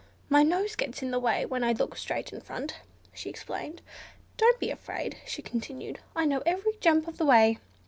My nose gets in the way when I look straight in front," she explained. "Don't be afraid," she continued, "I know every jump of the way.